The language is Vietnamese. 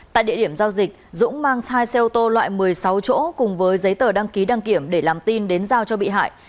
tại địa điểm giao dịch dũng mang hai xe ô tô loại một mươi sáu chỗ cùng với giấy tờ đăng ký đăng kiểm để làm tin đến giao cho bị hại